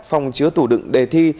phòng chứa tủ đựng đề thi